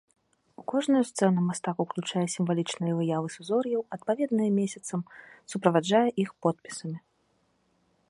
У кожную сцэну мастак уключае сімвалічныя выявы сузор'яў, адпаведныя месяцам, суправаджае іх подпісамі.